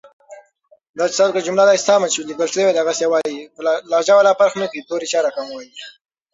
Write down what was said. دغه توپيرونه په وروستيو لسيزو کي کم سوي دي.